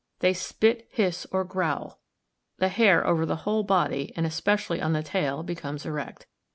They spit, hiss, or growl. The hair over the whole body, and especially on the tail, becomes erect.